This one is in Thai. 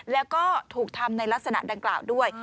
แล้วก็ถูกทำในลักษณะดังกล่าวด้วย